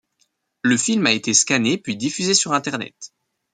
Le film a été scanné puis diffusé sur Internet.